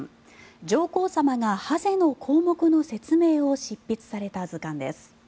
上皇さまがハゼの項目の説明を執筆された図鑑です。